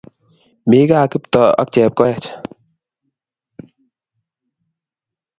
Mi kaa Kiptoo ak Chepkoech